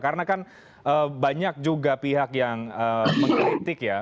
karena kan banyak juga pihak yang mengkritik ya